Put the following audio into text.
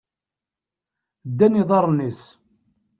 Ddan iḍarren-is!